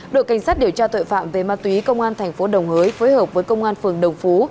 đội cảnh sát điều tra tội phạm về ma túy công an thành phố đồng hới phối hợp với công an phường đồng phú